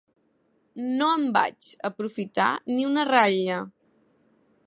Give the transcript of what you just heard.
No en vaig aprofitar ni una ratlla.